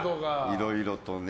いろいろとね